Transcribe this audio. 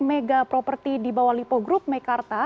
mega properti di bawah lipo group mekarta